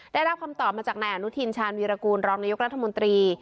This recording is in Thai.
ได้รับคำตอบมาจากนายอนุทินชาญวีรกูลรองนายกรัฐมนตรี